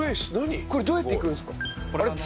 これどうやって行くんですか？